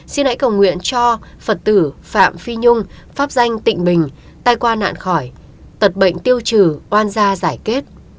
xin hãy cầu nguyện cho phật tử phạm phi nhung pháp danh tịnh bình tai qua nạn khỏi tật bệnh tiêu trừ oan gia giải kết